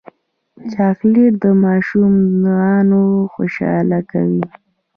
چاکلېټ ماشومان خوشحاله کوي.